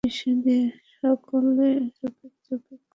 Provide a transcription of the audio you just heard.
সকলে একযোগে করো!